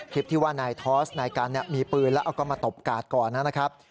คลิปที่ว่านายทอสนายกันมีปืนแล้วก็มาตบกาดก่อนนะครับ